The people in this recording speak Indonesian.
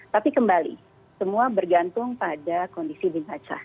tapi kembali semua bergantung pada kondisi bin hajah